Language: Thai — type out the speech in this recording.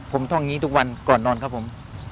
ผมท่องนี้ทุกวันก่อนนอนครับผม